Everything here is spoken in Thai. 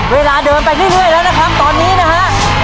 เวลาเดินไปเรื่อยแล้วนะครับตอนนี้นะฮะ